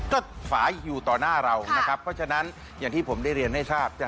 ก็ฝาอยู่ต่อหน้าเรานะครับเพราะฉะนั้นอย่างที่ผมได้เรียนให้ทราบ